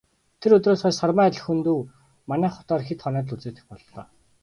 Тэр өдрөөс хойш Сармай Лхүндэв манай хотоор хэд хоноод л үзэгдэх боллоо.